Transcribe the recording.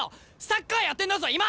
サッカーやってんだぞ今！